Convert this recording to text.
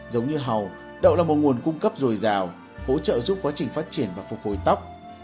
giống như hầu đậu là một nguồn cung cấp dồi dào hỗ trợ giúp quá trình phát triển và phục hồi tóc